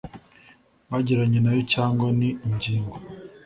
bagiranye na yo cyangwa n ingingo